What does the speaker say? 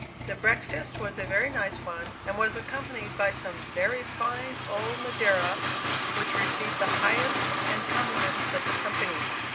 The breakfast was a very nice one, and was accompanied by some "very fine old Madeira," which received the highest encomiums of the company.